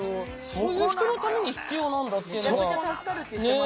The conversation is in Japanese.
そういう人のために必要なんだというのは。